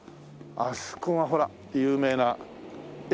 あそこがほら有名な駅ですね。